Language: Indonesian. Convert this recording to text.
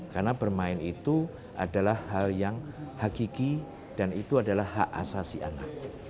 karena bermain itu adalah hal yang hakiki dan itu adalah hak asasi anak